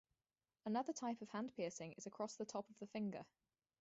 Another type of hand piercing is across the top of the finger.